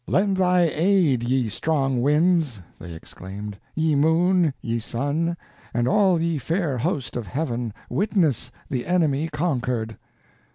"Lend thy aid, ye strong winds," they exclaimed, "ye moon, ye sun, and all ye fair host of heaven, witness the enemy conquered."